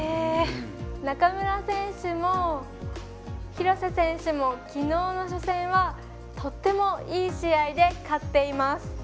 中村選手も廣瀬選手も昨日の初戦はとてもいい試合で勝っています。